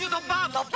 突破！